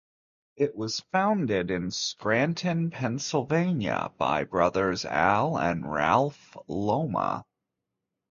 It was founded in Scranton, Pennsylvania by brothers Al and Ralph Lomma.